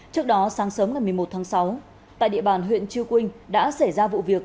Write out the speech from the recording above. trước đó sáng sớm ngày một mươi một tháng sáu tại địa bàn huyện chư quynh đã xảy ra vụ việc